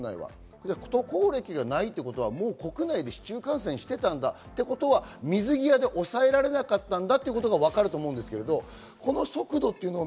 渡航歴がないということは国内で市中感染していたということは、水際で抑えられなかったんだということがわかると思います。